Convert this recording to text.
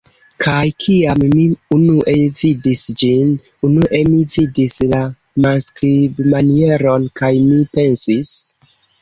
Kaj kiam mi unue vidis ĝin, unue mi vidis la manskribmanieron, kaj mi pensis: